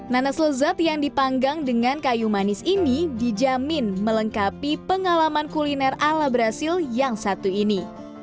nanas lezat yang dipanggang dengan kayu manis ini dijamin melengkapi pengalaman kuliner ala brazil yang satu ini